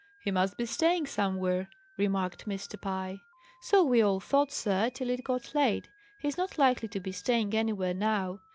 "He must be staying somewhere," remarked Mr. Pye. "So we all thought, sir, till it got late. He's not likely to be staying anywhere now.